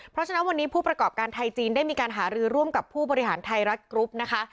เพราะฉะนั้นวันนี้ผู้ประกอบการไทยจีนได้มีการหารือร่วมกับผู้บริหารไทยรัฐกรุ๊ปนะคะ